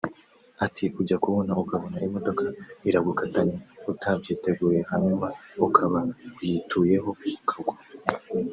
Ati “ujya kubona ukabona imodoka iragukatanye utabyiteguye hanyuma ukaba uyituyeho ukagwa